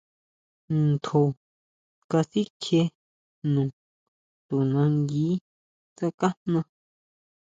Ntjo kasikjie jno, to nangui tsákajna.